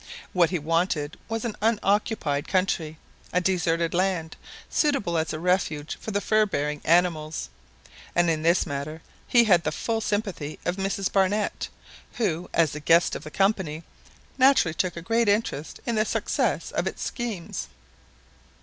What he wanted was an unoccupied country, a deserted land, suitable as a refuge for the fur bearing animals; and in this matter he had the full sympathy of Mrs Barnett, who, as the guest of the Company, naturally took a great interest in the success of its schemes.